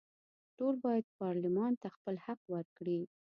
ټول باید پارلمان ته خپل حق ورکړي.